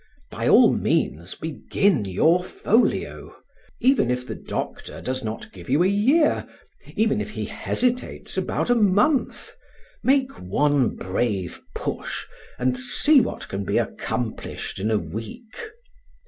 By all means begin your folio; even if the doctor does not give you a year, even if he hesitates about a month, make one brave push and see what can be accomplished in a week.